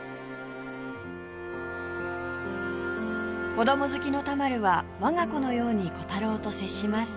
子供好きの田丸は我が子のようにコタローと接します